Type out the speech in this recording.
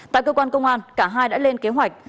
tại cơ quan công an cả hai đã lên kế hoạch